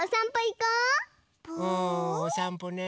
うんおさんぽね。